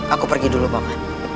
aku pergi dulu pak man